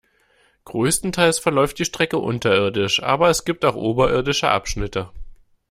Größtenteils verläuft die Strecke unterirdisch, aber es gibt auch oberirdische Abschnitte.